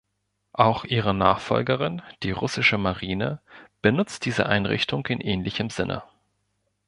Auch ihre Nachfolgerin, die Russische Marine, benutzt diese Einrichtung in ähnlichem Sinne.